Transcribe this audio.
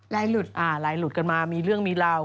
ลายหลุดอ่าลายหลุดกันมามีเรื่องมีราว